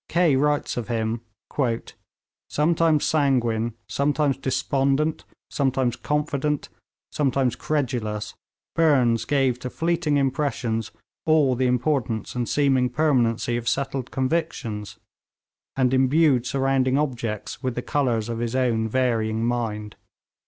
Kaye writes of him: 'Sometimes sanguine, sometimes despondent, sometimes confident, sometimes credulous, Burnes gave to fleeting impressions all the importance and seeming permanency of settled convictions, and imbued surrounding objects with the colours of his own varying mind.'